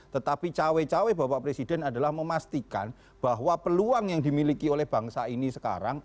tetapi cawe cawe bapak presiden adalah memastikan bahwa peluang yang dimiliki oleh bangsa ini sekarang